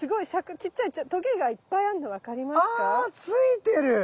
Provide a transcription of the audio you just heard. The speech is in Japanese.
あついてる。